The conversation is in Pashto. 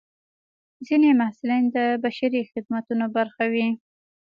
ځینې محصلین د بشري خدمتونو برخه وي.